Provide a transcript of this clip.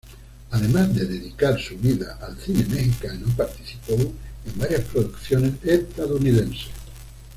Además de dedicar su vida al cine mexicano, participó en varias producciones estadounidenses.